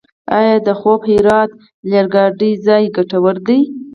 آیا د خواف - هرات ریل پټلۍ ګټوره ده؟